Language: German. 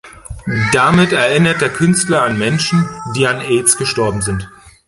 Damit erinnert der Künstler an Menschen, die an Aids gestorben sind.